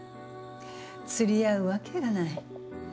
釣り合うわけがない。